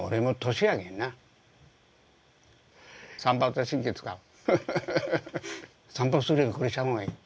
散髪するよりこれした方がいい。